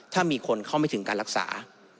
ถ้ามีคนเข้าไม่ถึงการรักษา